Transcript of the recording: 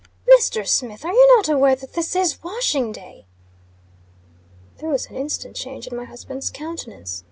"Mr. Smith! Are you not aware that this is washing day?" There was an instant change in my husband's countenance.